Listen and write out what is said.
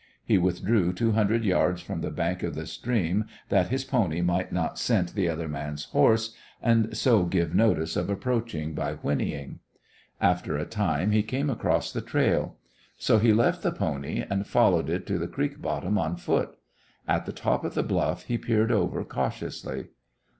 He withdrew two hundred yards from the bank of the stream that his pony might not scent the other man's horse, and so give notice of approach by whinnying. After a time he came across the trail. So he left the pony and followed it to the creek bottom on foot. At the top of the bluff he peered over cautiously.